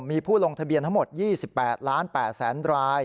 มีผู้ลงทะเบียนทั้งหมด๒๘๘๐๐๐ราย